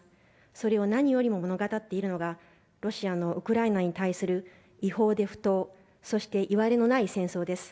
それを何よりも物語っているのがロシアのウクライナに対する違法で不当そして、いわれのない戦争です。